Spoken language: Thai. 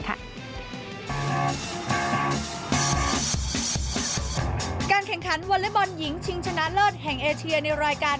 การแข่งขันวอเล็กบอลหญิงชิงชนะเลิศแห่งเอเชียในรายการ